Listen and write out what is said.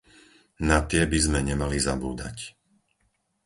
Na tie by sme nemali zabúdať.